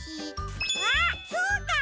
あっそうか！